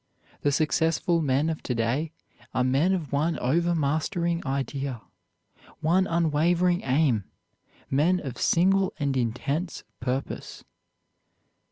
The successful men of to day are men of one overmastering idea, one unwavering aim, men of single and intense purpose.